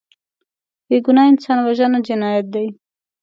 بېګناه انسان وژنه جنایت دی